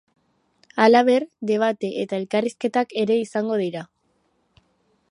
Halaber, debate, eta elkarrizketak ere izango dira.